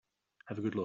Have a good look.